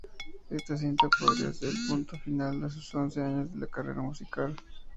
Esta cinta pondría el punto final a sus once años de carrera musical.